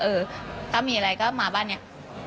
เออถ้ามีอะไรก็มาบ้านนี้